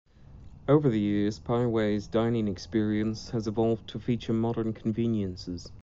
Over the years, Pei Wei's dining experience has evolved to feature modern conveniences.